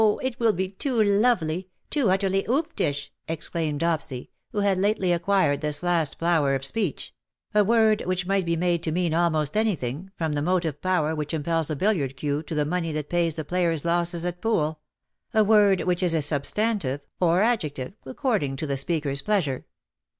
it will be too lovely — too utterly ouftish/' exclaimed Dopsy, who had lately acquired this last flower of speech — a word which might be made to mean almost anything, from the motive power which impels a billiard cue to the money that pays the player^s losses at pool — a word which is a sub stantive or adjective according to the speaker's pleasure.